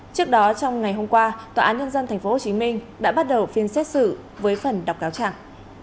trước đó trong ngày hôm qua tòa án nhân dân tp hcm đã bắt đầu phiên xét xử với phần đọc cáo chẳng